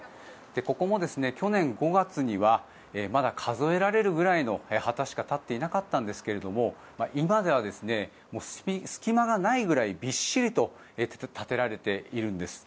ここも去年５月にはまだ数えられるくらいの旗しか立っていなかったんですが今では隙間がないくらいびっしりと立てられているんです。